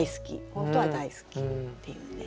本当は大好きっていうね。